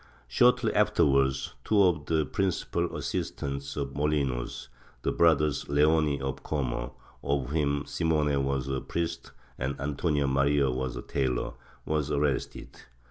Shortly afterwards, two of the principal assistants of Molinos, the brothers Leoni of Como, of whom Simone was a priest and Antonio Maria was a tailor, were arrested.